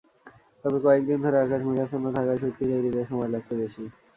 তবে কয়েক দিন ধরে আকাশ মেঘাচ্ছন্ন থাকায় শুঁটকি তৈরিতে সময় লাগছে বেশি।